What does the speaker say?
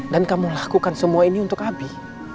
dan kamu lakukan semua ini untuk abi